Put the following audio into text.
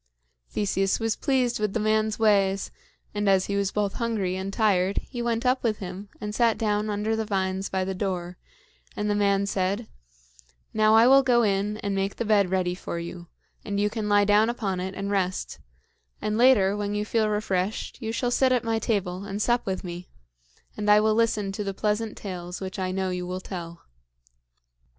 Theseus was pleased with the man's ways, and as he was both hungry and tired, he went up with him and sat down under the vines by the door; and the man said: "Now I will go in and make the bed ready for you, and you can lie down upon it and rest; and later, when you feel refreshed, you shall sit at my table and sup with me, and I will listen to the pleasant tales which I know you will tell."